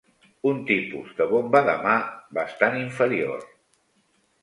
Un tipus de bomba de mà bastant inferior